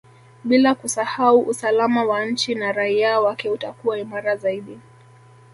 Bila kusahau usalama wa nchi na raia wake utakuwa imara zaidi